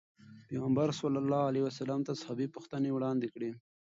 پيغمبر صلي الله علیه وسلم ته صحابي پوښتنې وړاندې کړې.